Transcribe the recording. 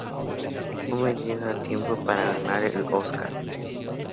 Homer llega a tiempo para ganar el Oscar.